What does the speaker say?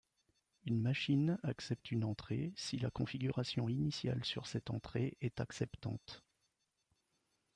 Une machine accepte une entrée si la configuration initiale sur cette entrée est acceptante.